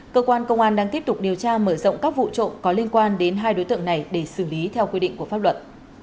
cơ quan công an đang tiếp tục điều tra mở rộng các vụ trộm có liên quan đến hai đối tượng này để xử lý theo quy định của pháp luật